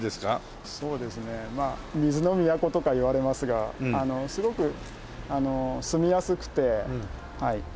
そうですね水の都とかいわれますがすごく住みやすくてはい。